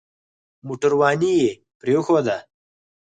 موټرواني يې پرېښوده.